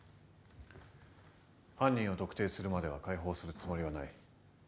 犯人を特定するまでは解放するつもりはない。